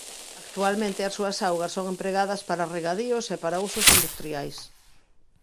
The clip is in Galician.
Actualmente as súas augas son empregadas para regadíos e para usos industriais.